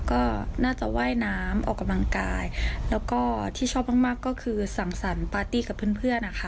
ก็น่าจะว่ายน้ำออกกำลังกายแล้วก็ที่ชอบมากมากก็คือสั่งสรรคปาร์ตี้กับเพื่อนเพื่อนนะคะ